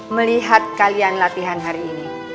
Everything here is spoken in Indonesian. melihat kalian latihan hari ini